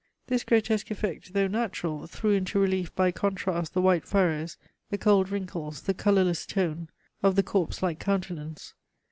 This grotesque effect, though natural, threw into relief by contrast the white furrows, the cold wrinkles, the colorless tone of the corpse like countenance.